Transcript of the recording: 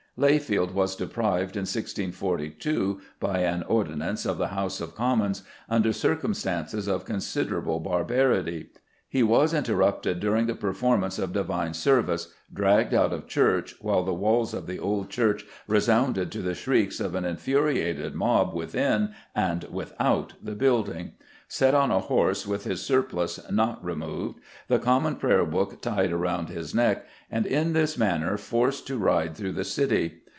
"Layfield was deprived in 1642 [by an ordinance of the House of Commons] under circumstances of considerable barbarity. He was interrupted during the performance of divine service, dragged out of church [while the walls of the old church resounded to the shrieks of an infuriated mob within and without the building], set on a horse with his surplice not removed, the Common Prayer Book tied round his neck; and in this manner forced to ride through the city.